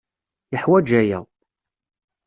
Yeḥwaj aya.